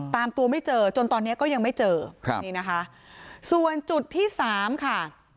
ตามตัวไม่เจอจนตอนนี้ก็ยังไม่เจอส่วนจุดที่๓ค่ะ